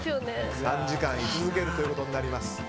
３時間居続けることになります。